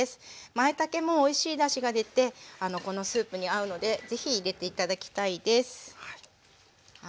まいたけもおいしいだしが出てこのスープに合うので是非入れて頂きたいです。